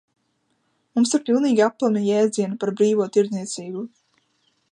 Mums ir pilnīgi aplami jēdzieni par brīvo tirdzniecību.